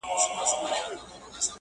دا ځکه خو موږ او د ادب ټول غړي